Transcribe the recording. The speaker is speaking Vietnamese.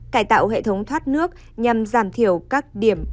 cải tạo hệ thống thoát nước nhằm giảm thiểu các điểm